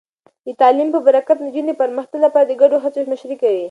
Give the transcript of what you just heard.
د تعلیم په برکت، نجونې د پرمختګ لپاره د ګډو هڅو مشري کوي.